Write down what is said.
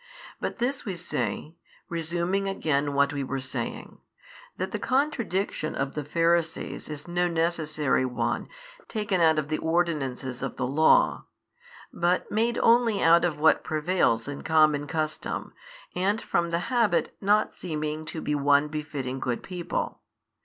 But this we say, resuming again what we were saying, that the contradiction of the Pharisees is no necessary one taken out of the ordinances of the Law, but made only out of what prevails in common custom, and from the habit not seeming to be one befitting good people.